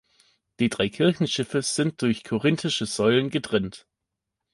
Die drei Kirchenschiffe sind durch korinthische Säulen getrennt.